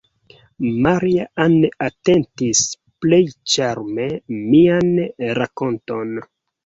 Maria-Ann atentis plej ĉarme mian rakonton.